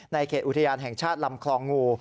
เขตอุทยานแห่งชาติลำคลองงู